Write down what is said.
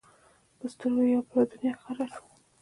په سترګو کې یې یوه بله دنیا ښکاره شوه.